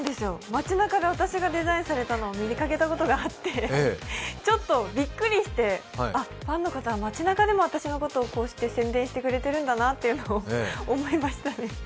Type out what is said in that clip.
街なかで私がデザインされたのを見かけたことがあってちょっとびっくりして、あ、ファンの方は街なかでも私のことをこうして宣伝してくれてるんだなと思いましたね。